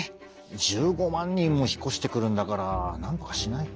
１５万人も引っ越してくるんだからなんとかしないと。